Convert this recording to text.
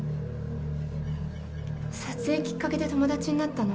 撮影きっかけで友達になったの？